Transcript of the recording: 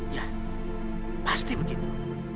ya pasti begitu